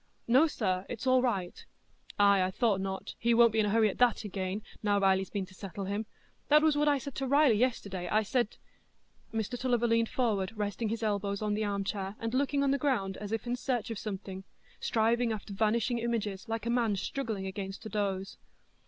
"No, sir, it's all right." "Ay, I thought not; he won't be in a hurry at that again, now Riley's been to settle him. That was what I said to Riley yesterday—I said——" Mr Tulliver leaned forward, resting his elbows on the armchair, and looking on the ground as if in search of something, striving after vanishing images like a man struggling against a doze.